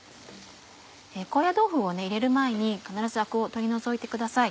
高野豆腐を入れる前に必ずアクを取り除いてください。